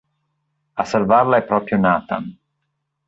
A salvarla è proprio Nathan.